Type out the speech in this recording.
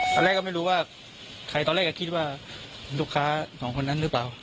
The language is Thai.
ตอนแรกก็ไม่รู้ว่าใครตอนแรกก็คิดว่าลูกค้าสองคนนั้นหรือเปล่า